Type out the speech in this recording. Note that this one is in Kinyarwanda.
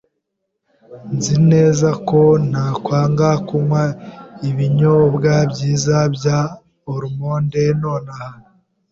Nzi neza ko ntakwanga kunywa ibinyobwa byiza bya almonde nonaha.